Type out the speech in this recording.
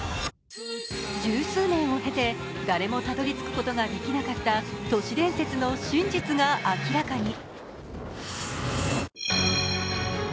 十数年を経て、誰もたどり着くことができなかった都市伝説の真実が明らかに。